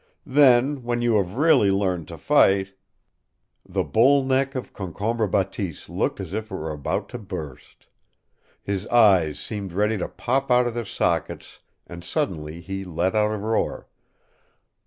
Then, when you have really learned to fight " The bull neck of Concombre Bateese looked as if it were about to burst. His eyes seemed ready to pop out of their sockets, and suddenly he let out a roar.